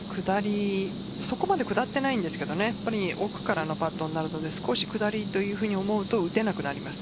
そこまで下ってはないんですけど奥からのパットになるので少し下りと思うと打てなくなります。